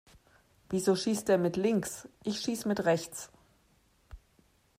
Wieso schießt der mit links? Ich schieß mit rechts.